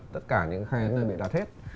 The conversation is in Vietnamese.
tất cả những khai ấn là bị đặt hết